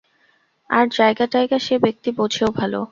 আর জায়গা-টায়গা সে ব্যক্তি বোঝেও ভাল।